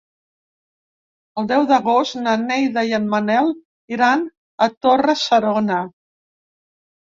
El deu d'agost na Neida i en Manel iran a Torre-serona.